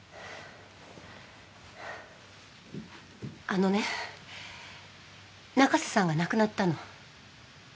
あのね中瀬さんが亡くなったの。